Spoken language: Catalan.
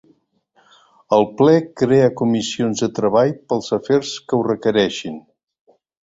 El ple crea comissions de treball pels afers que ho requereixin.